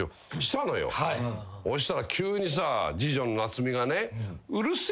そしたら急にさ次女の名津美がね。